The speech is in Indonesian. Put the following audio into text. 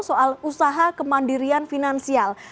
soal usaha kemandirian finansial